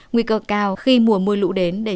nguy cơ cao khi mùa mưa lũ đến để